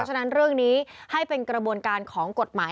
เพราะฉะนั้นเรื่องนี้อันนี้ให้เป็นกระบวนการของกฎหมาย